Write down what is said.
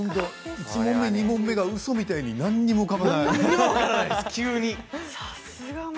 １問目、２問目がうそみたいに何も浮かばない急に。